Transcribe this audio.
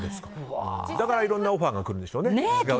だからいろんなオファーが来るんでしょうね。